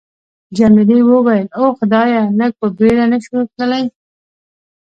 جميلې وويل:: اوه خدایه، لږ په بېړه نه شو تللای؟